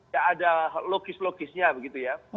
ya ada logis logisnya begitu ya